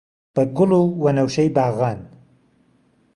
بە گوڵ و وەنەوشەی باغان